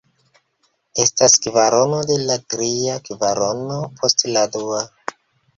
Estas kvarono de la tria kvarono post la dua.